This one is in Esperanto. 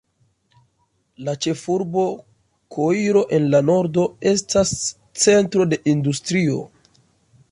La ĉefurbo Koiro en la nordo estas centro de industrio.